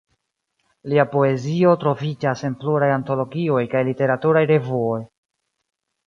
Lia poezio troviĝas en pluraj antologioj kaj literaturaj revuoj.